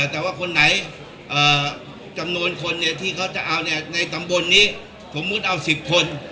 แต่ว่าคนไหนจำนวนคนที่เขาจะเอาในตำบลนี้สมมุติเอา๑๐คน